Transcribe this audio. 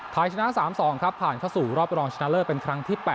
ไทยชนะ๓๒ครับผ่านเข้าสู่รอบรองชนะเลิศเป็นครั้งที่๘